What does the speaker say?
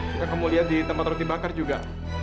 yang kamu liat di tempat roti bakar juga